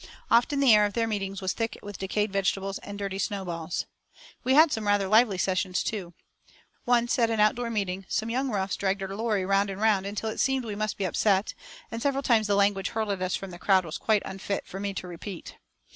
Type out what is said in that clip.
Often the air of their meetings was thick with decayed vegetables and dirty snowballs. We had some rather lively sessions, too. Once, at an outdoor meeting, some young roughs dragged our lorry round and round until it seemed that we must be upset, and several times the language hurled at us from the crowd was quite unfit for me to repeat.